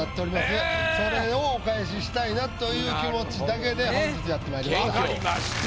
それをお返ししたいなという気持ちだけで本日やってまいりました。